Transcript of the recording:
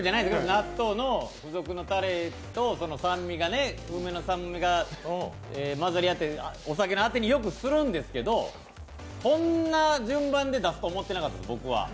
納豆の付属のたれと梅の酸味が合わさってお酒のあてによくするんですけどこんな順番で出すと思ってなかった、僕は。